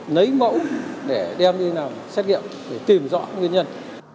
lấy mẫu để đem đi làm xét nghiệm để tìm rõ nguyên nhân